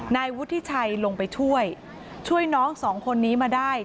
นายวุฒิชัยลงไปช่วยช่วยน้องสองคนนี้มาได้